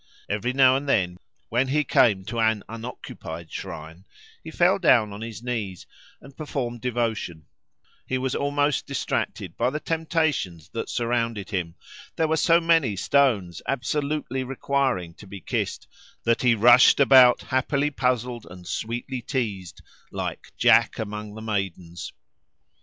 Every now and then, when he came to an unoccupied shrine, he fell down on his knees and performed devotion; he was almost distracted by the temptations that surrounded him; there were so many stones absolutely requiring to be kissed, that he rushed about happily puzzled and sweetly teased, like "Jack among the maidens."